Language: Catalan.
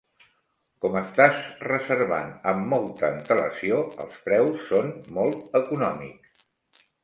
Com estàs reservant amb molta antelació els preus són molt econòmics.